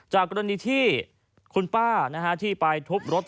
หรือที่ที่คุณป้าที่ไปทบรถที่